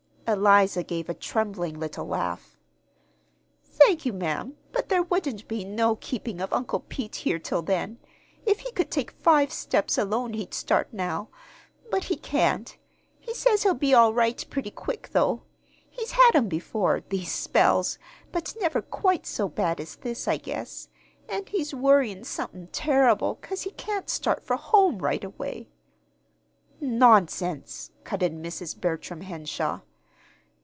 Eliza gave a trembling little laugh. "Thank you, ma'am; but there wouldn't be no keepin' of Uncle Pete here till then. If he could take five steps alone he'd start now. But he can't. He says he'll be all right pretty quick, though. He's had 'em before these spells but never quite so bad as this, I guess; an' he's worryin' somethin' turrible 'cause he can't start for home right away." "Nonsense!" cut in Mrs. Bertram Henshaw.